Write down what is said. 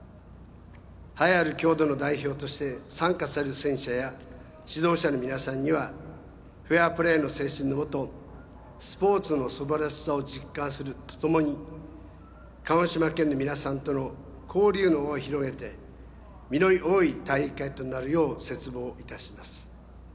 栄えある郷土の代表として参加される選手や指導者の皆さんにはフェアプレーの精神のもとスポーツの素晴らしさを実感するとともに鹿児島県の皆さんとの交流の輪を広げて実り多い大会となるよう切望いたします。